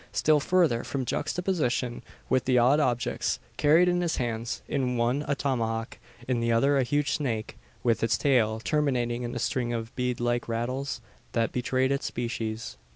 Still further, from juxtaposition with the odd objects carried in his hands; in one a tomahawk; in the other a huge snake; with its tail terminating in a string of bead like rattles, that betrayed its species.